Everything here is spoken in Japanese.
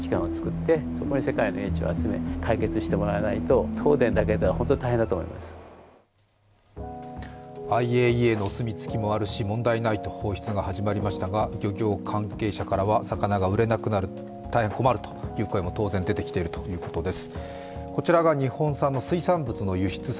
更に今後、燃料デブリの取り出し方法が決まったとしてもＩＡＥＡのお墨付きもあると問題ないと放出が始まりましたが漁業関係者からは魚が売れなくなる、大変困るという声も当然出てきているということです。